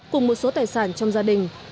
cùng một số tài sản trong gia đình